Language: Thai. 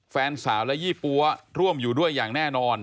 แฟนสาวและยี่ปั๊วร่วมอยู่ด้วยอย่างแน่นอน